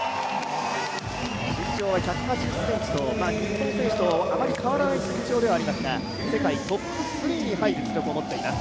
身長は１８０ｃｍと日本選手とあまり変わらない身長ではありますが世界トップ３に入る実力を持っています。